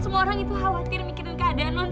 semua orang itu khawatir mikirin keadaan